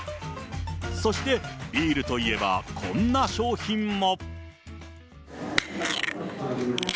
そしてビールといえばこんな商品も。